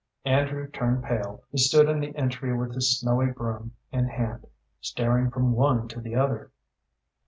Andrew turned pale. He stood in the entry with his snowy broom in hand, staring from one to the other.